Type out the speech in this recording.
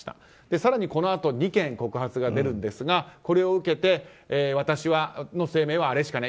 更に、このあと２件告発が出るんですがこれを受けて私の声明はあれしかない。